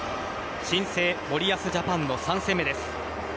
新生森保ジャパンの３戦目です。